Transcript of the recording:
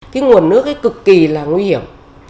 cái nguồn nước ấy cực kỳ là nguy hiểm